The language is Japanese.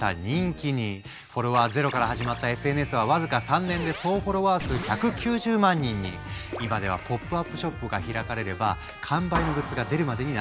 フォロワー０から始まったＳＮＳは僅か今ではポップアップショップが開かれれば完売のグッズが出るまでになっているそう。